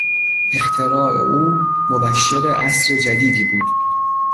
اختراع او مبشر عصر جدیدی بود.